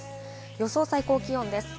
予想最高気温です。